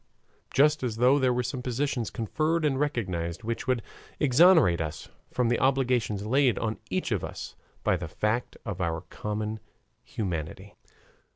Just as though there were some positions conferred and recognized, which would exonerate us from the obligations laid on each of us by the fact of our common humanity.